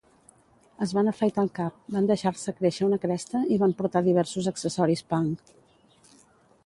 Es van afaitar el cap, van deixar-se créixer una cresta i van portar diversos accessoris punk.